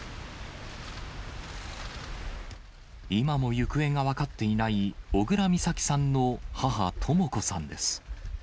今も行方が分かっていない小倉美咲さんの母、とも子さんです。